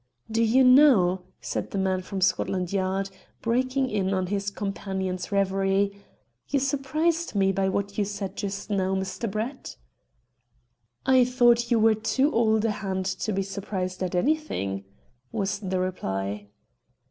"Do you know," said the man from Scotland Yard, breaking in on his companion's reverie, "you surprised me by what you said just now, Mr. Brett?" "I thought you were too old a hand to be surprised at anything," was the reply.